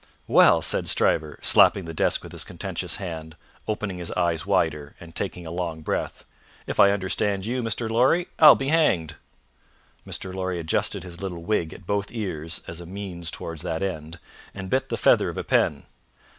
"Well!" said Stryver, slapping the desk with his contentious hand, opening his eyes wider, and taking a long breath, "if I understand you, Mr. Lorry, I'll be hanged!" Mr. Lorry adjusted his little wig at both ears as a means towards that end, and bit the feather of a pen.